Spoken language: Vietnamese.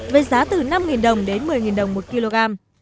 với giá từ năm đồng đến một mươi đồng một kg